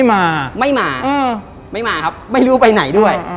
มาไม่มาไม่มาครับไม่รู้ไปไหนด้วย